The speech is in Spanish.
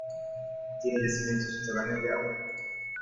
Tiene yacimientos subterráneos de agua.